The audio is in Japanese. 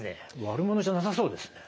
悪者じゃなさそうですね。